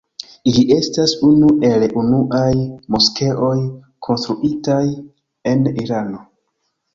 Ĝi estas unu el unuaj moskeoj konstruitaj en Irano.